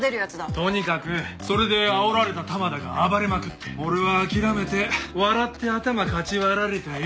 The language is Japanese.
とにかくそれであおられた玉田が暴れまくって俺は諦めて笑って頭かち割られたよ。